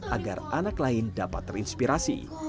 agar anak lain dapat terinspirasi